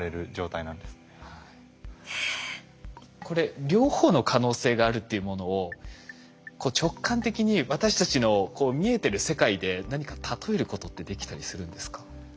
これ両方の可能性があるっていうものを直感的に私たちの見えてる世界で何か例えることってできたりするんですか？